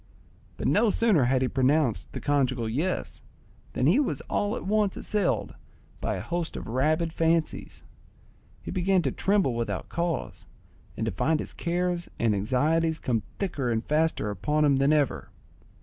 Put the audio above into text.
But no sooner had he pronounced the conjugal "yes," than he was all at once assailed by a host of rabid fancies; he began to tremble without cause and to find his cares and anxieties come thicker and faster upon him than ever.